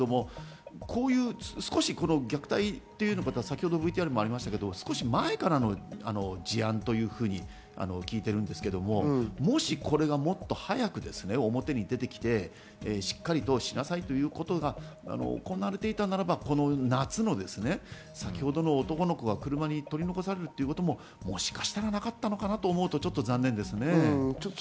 虐待というのが先ほどＶＴＲにもありましたが前からの事案というふうに聞いているんですけれど、もしこれがもっと早く表に出てきて、しっかりどうしなさいということが行われていたならば、この夏、先ほどの男の子が車に取り残されるということも、もしかしたらなかったのかなと思うと、ちょっと残念ですね。